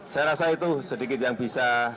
saya rasa itu sedikit yang bisa